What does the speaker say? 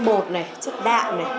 chất tinh bột chất đạm